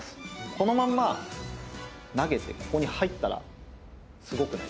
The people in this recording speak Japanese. このまんま投げてここに入ったらすごくないですか？